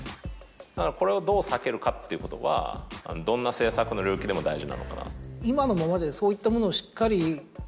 だからこれをどう避けるかっていうことはどんな政策の領域でも大事なのかな。